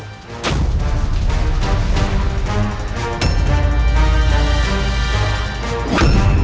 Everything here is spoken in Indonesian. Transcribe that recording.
atau aku akan mati